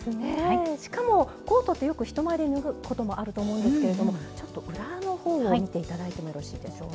しかもコートってよく人前で脱ぐこともあると思うんですけれどもちょっと裏のほうを見ていただいてもよろしいでしょうか。